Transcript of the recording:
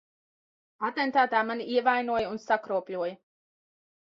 Atentātā mani ievainoja un sakropļoja.